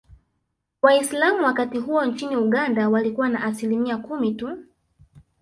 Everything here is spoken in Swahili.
Waislamu wakati huo nchini Uganda walikuwa na Asilimia kumi tu